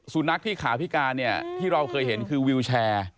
สุนัขที่ขาพิการเนี่ยที่เราเคยเห็นคือวิวแชร์